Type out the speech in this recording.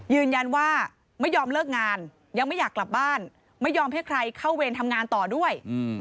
ยืนยันว่าไม่ยอมเลิกงานยังไม่อยากกลับบ้านไม่ยอมให้ใครเข้าเวรทำงานต่อด้วย